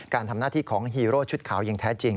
การทำหน้าที่ของฮีโร่ชุดขาวอย่างแท้จริง